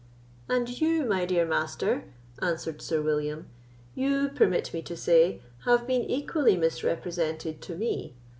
"And you, my dear Master," answered Sir William—"you, permit me to say, have been equally misrepresented to me.